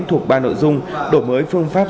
thuộc ba nội dung đổi mới phương pháp